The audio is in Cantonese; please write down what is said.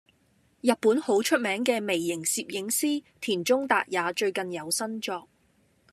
日本好出名嘅微型攝影師田中達也最近有新作